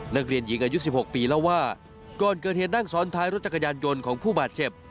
นักเรียนหญิงอายุ๑๖ปีเล่าว่าก่อนเกิดเหตุนั่งซ้อนท้ายรถจักรยานยนต์ของผู้บาดเจ็บ